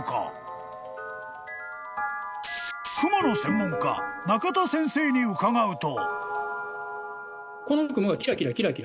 ［クモの専門家中田先生に伺うと］